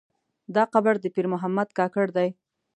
دا قبر د پیر محمد کاکړ دی.